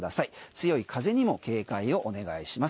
強い風にも警戒をお願いします。